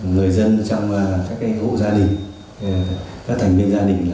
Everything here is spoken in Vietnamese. người dân trong các hộ gia đình các thành viên gia đình